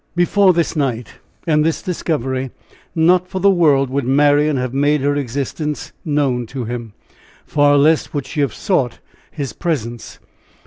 Before this night and this discovery, not for the world would Marian have made her existence known to him, far less would she have sought his presence.